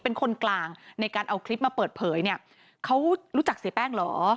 เป็นคนกลางในการเอาคลิปมาเปิดเผยเนี่ยเขารู้จักเสียแป้งเหรอ